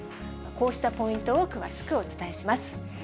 こうしたポイントを詳しくお伝えします。